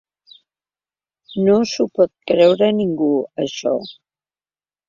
No s'ho pot creure ningú, això.